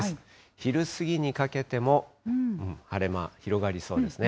昼過ぎにかけても、晴れ間広がりそうですね。